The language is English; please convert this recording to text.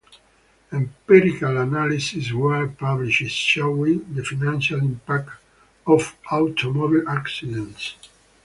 Empirical analyses were published showing the financial impact of automobile accidents.